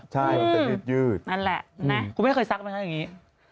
ใช่มันจะยืดนั่นแหละคุณไม่เคยซักไหมคะอย่างนี้